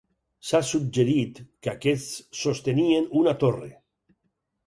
S'ha suggerit que aquests sostenien una torre.